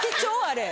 あれ。